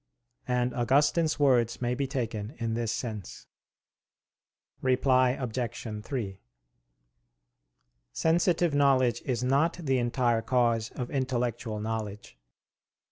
And Augustine's words may be taken in this sense. Reply Obj. 3: Sensitive knowledge is not the entire cause of intellectual knowledge.